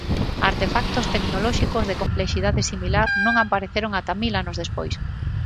Artefactos tecnolóxicos de complexidade similar non apareceron ata mil anos despois.